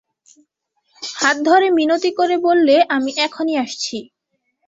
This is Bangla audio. হাত ধরে মিনতি করে বললে, আমি এখনই আসছি।